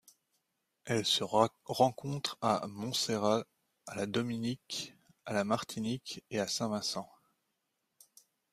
Elle se rencontre à Montserrat, à la Dominique, à la Martinique et à Saint-Vincent.